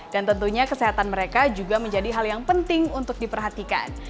tentunya kesehatan mereka juga menjadi hal yang penting untuk diperhatikan